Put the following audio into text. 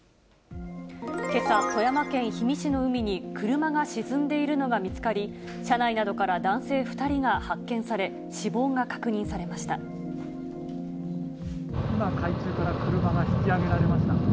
けさ、富山県氷見市の海に車が沈んでいるのが見つかり、車内などから男性２人が発見され、死亡が確認されました。